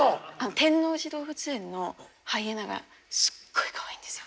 天王寺動物園のハイエナがすっごいかわいいんですよ。